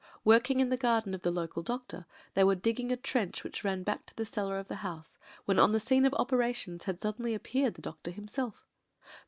Working in the garden of the local doctor, they were digging a trench which ran back to the cellar of the house, when on the scene of operations had suddenly appeared the doctor him self.